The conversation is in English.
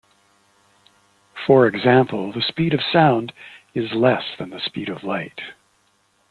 For example, the speed of sound is less than the speed of light.